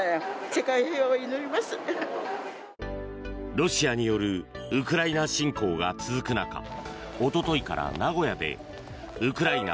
ロシアによるウクライナ侵攻が続く中おとといから名古屋でウクライナ